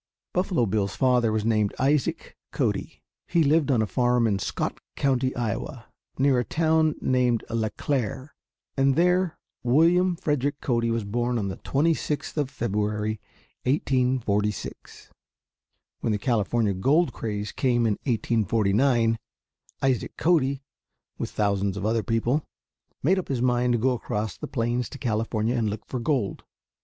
Buffalo Bill's father was named Isaac Cody. He lived on a farm in Scott County, Iowa, near a town named Le Clair, and there William Frederick Cody was born on the 26th of February, 1846. When the California gold craze came in 1849, Isaac Cody, with thousands of other people, made up his mind to go across the plains to California and look for gold.